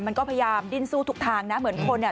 มันก็พยายามดิ้นสู้ทุกทางนะเหมือนคนเนี่ย